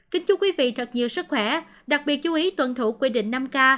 kính chúc quý vị thật nhiều sức khỏe đặc biệt chú ý tuân thủ quy định năm k